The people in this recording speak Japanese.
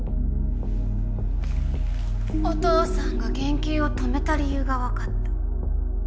お父さんが研究を止めた理由が分かった。